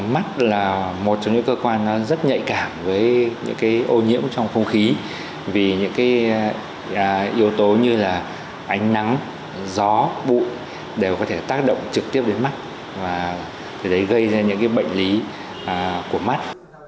mắt là một trong những cơ quan rất nhạy cảm với những ô nhiễm trong không khí vì những yếu tố như là ánh nắng gió bụi đều có thể tác động trực tiếp đến mắt và gây ra những bệnh lý của mắt